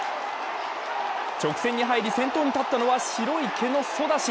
直線に入り、先頭に立ったのは白い毛のソダシ。